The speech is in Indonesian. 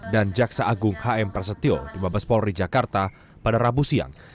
dan jaksa agung hm prasetyo lima belas polri jakarta pada rabu siang